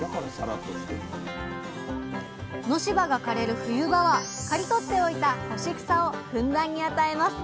野芝が枯れる冬場は刈り取っておいた干し草をふんだんに与えます。